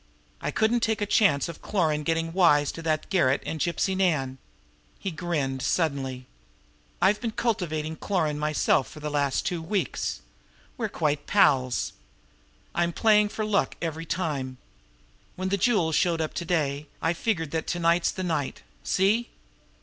I couldn't take a chance of Cloran getting wise to that garret and Gypsy Nan." He grinned suddenly. "I've been cultivating Cloran myself for the last two weeks. We're quite pals! I'm for playing the luck every time! When the jewels showed up to day, I figured that to night's the night see?